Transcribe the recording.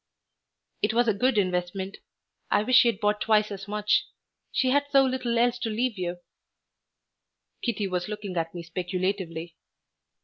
"It was a good investment. I wish she'd bought twice as much. She had so little else to leave you," Kitty was looking at me speculatively.